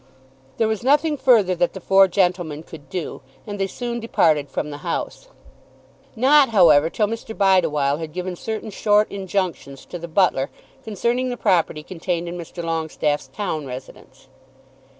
There was nothing further that the four gentlemen could do, and they soon departed from the house; not, however, till Mr. Bideawhile had given certain short injunctions to the butler concerning the property contained in Mr. Longestaffe's town residence.